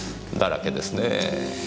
だらけですねぇ。